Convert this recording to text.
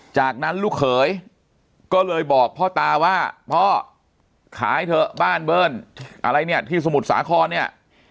จากนั้นลูกเขยก็เลยบอกพ่อตาว่าพ่อขายเถอะบ้านเบิ้ลอะไรเนี่ยที่สมุทรสาครเนี่ย